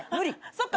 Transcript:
そっか。